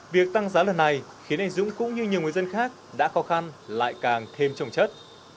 việc tăng giá lần này khiến anh dũng cũng như nhiều người dân khác đã khó khăn lại càng thêm trồng chất